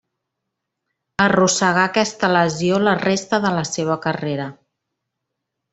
Arrossegà aquesta lesió la resta de la seva carrera.